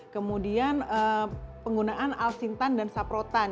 kemudian penggunaan nahan altitan dan saprotan